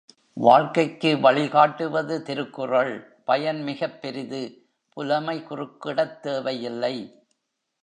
வாழ்க்கைக்கு வழிகாட்டுவது திருக்குறள் பயன்மிகப் பெரிது, புலமை குறுக்கிடத் தேவையில்லை.